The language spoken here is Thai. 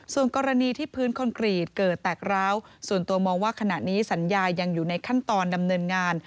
ส่วนกรณีที่พื้นคอนกรีตเกิดแตกร้าวส่วนตัวมองว่าขณะนี้สัญญายังอยู่ในขั้นตอนดำเนินงาน